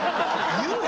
言うよ